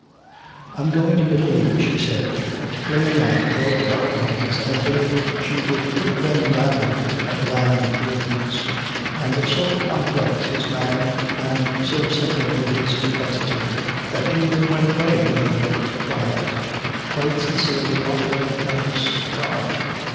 "I'm going to Italy," she said, flinging out both her arms as though she would put them round that land of dreams; and so complex is man and so simple in his complexity that Ingram went away in the wet twilight quite sincerely offering thanks to God.